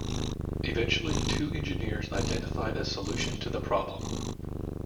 Eventually two engineers identified a solution to the problem.